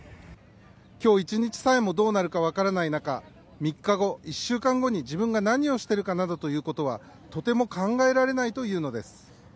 今日１日さえもどうなるか分からない中３日後、１週間後に自分が何をしているかなどはとても考えられないというのです。